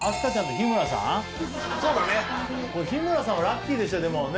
日村さんはラッキーでしたね。